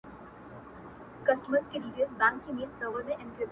o د خپل جېبه د سگريټو يوه نوې قطۍ وا کړه ـ